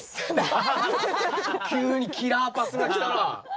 急にキラーパスが来たな。